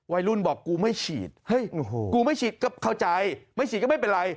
วัยรุ่นบอกกูไม่ฉีดเฮ้ยกูไม่ฉีดก็เข้าใจไม่ฉีดก็ไม่เป็นไร